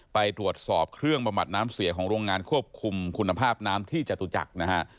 ไปตรวจสอบเครื่องบำบัดน้ำเสียของโรงงานควบคุมคุณภาพน้ำที่จตุจักรนะฮะ